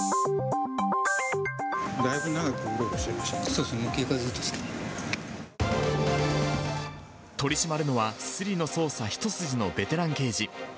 だいぶ長くうろうろしてましそうですね、警戒、ずっとし取り締まるのは、すりの捜査一筋のベテラン刑事。